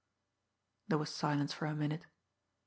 There was silence for a minute.